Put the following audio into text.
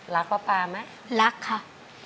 รักป้าป้ามั้ยรักค่ะ